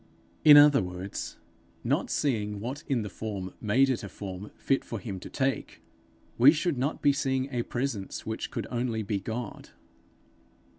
In other words, not seeing what in the form made it a form fit for him to take, we should not be seeing a presence which could only be God.